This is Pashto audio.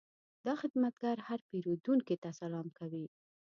دا خدمتګر هر پیرودونکي ته سلام کوي.